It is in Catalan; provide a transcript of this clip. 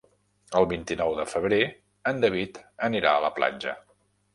El vint-i-nou de febrer en David anirà a la platja.